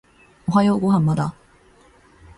おはようご飯まだ？